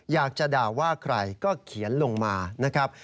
อยากจะด่าว่าใครก็เขียนลงมานะครับ